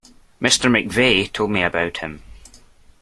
Mr McVeigh told me about him.